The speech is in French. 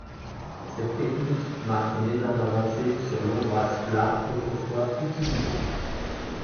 Cette technique marque une énorme avancée sur l'ombrage plat autrefois utilisé.